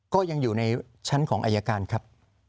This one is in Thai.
ก็ยังอยู่ในชั้นของอายการครับ